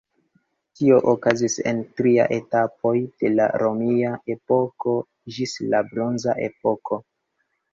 Tio okazis en tri etapoj de la romia epoko ĝis la bronza epoko.